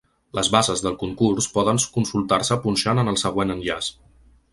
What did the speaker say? Les bases del concurs poden consultar-se punxant en el següent enllaç.